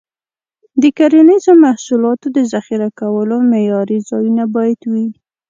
د کرنیزو محصولاتو د ذخیره کولو معیاري ځایونه باید وي.